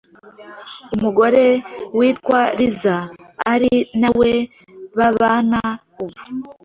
umugore witwa Lisa ari nawe babana ubu.